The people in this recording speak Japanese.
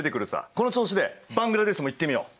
この調子でバングラデシュもいってみよう。